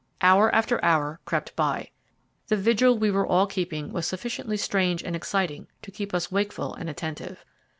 Hour after hour crept by. The vigil we were all keeping was sufficiently strange and exciting to keep us wakeful and attentive.